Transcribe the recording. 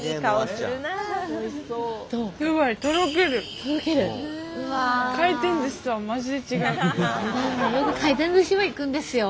よく回転寿司は行くんですよ。